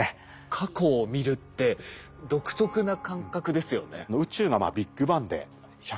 過去を見るって独特な感覚ですよね。